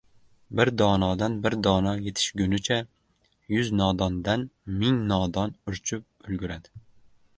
Bir donodan bir dono yetishgunicha, yuz nodondan ming nodon urchib ulguradi.